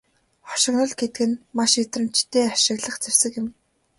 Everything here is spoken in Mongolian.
Хошигнол гэдэг нь маш мэдрэмжтэй ашиглах зэвсэг юм.